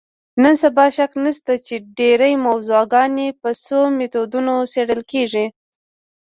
نن سبا شک نشته چې ډېری موضوعګانې په څو میتودونو څېړل کېږي.